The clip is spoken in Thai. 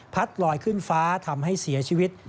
ลอยขึ้นฟ้าทำให้เสียชีวิต